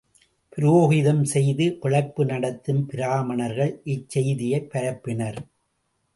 புரோகிதம் செய்து பிழைப்பு நடத்தும் பிராமணர்கள் இச்செய்தியைப் பரப்பினர்.